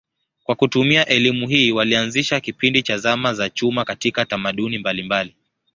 Kwa kutumia elimu hii walianzisha kipindi cha zama za chuma katika tamaduni mbalimbali.